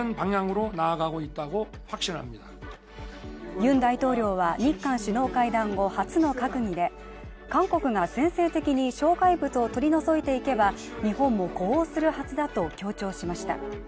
ユン大統領は、日韓首脳会談後初の閣議で韓国が先制的に障害物を取り除いていけば日本も呼応するはずだと強調しました。